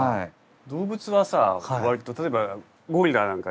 動物はさ割と例えばゴリラなんか分かりやすいよ。